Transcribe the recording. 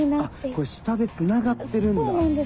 これ下でつながってるんだ。